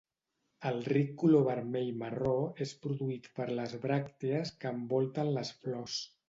El ric color vermell-marró és produït per les bràctees que envolten les flors.